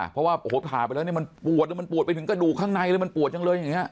เพราะว่าโอ้โหผ่าไปแล้วเนี่ยมันปวดแล้วมันปวดไปถึงกระดูกข้างในเลยมันปวดจังเลยอย่างนี้